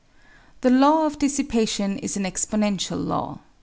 The law of dissipation is an exponential law.